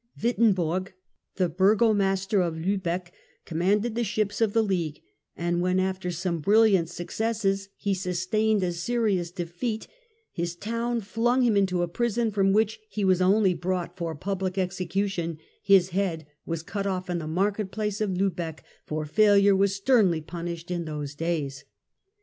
Wittenborg, the Burgo master of Liibeck, commanded the ships of the League, and when after some brilliant successes he sustained a serious defeat, his town flung him into a prison from which he was only brought for public execution ; his head was cut off in the market place of Liibeck, for failure was sternly punished in those days.